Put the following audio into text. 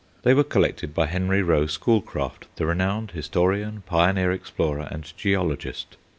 They were collected by Henry Rowe Schoolcraft, the reknowned historian, pioneer explorer, and geologist.